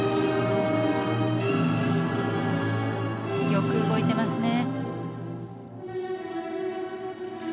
よく動いてますね。